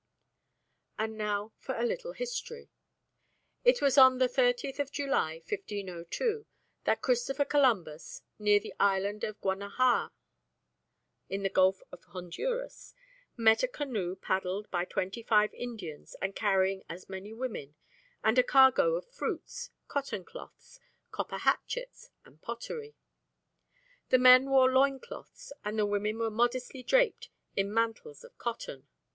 And now for a little history. It was on the 30th July, 1502, that Christopher Columbus, near the island Guanaja in the Gulf of Honduras, met a canoe paddled by twenty five Indians and carrying as many women, and a cargo of fruits, cotton cloths, copper hatchets, and pottery. The men wore loin cloths and the women were modestly draped in mantles of cotton.